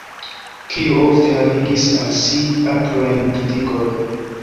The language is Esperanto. Kio ofte havigis al si akrajn kritikojn.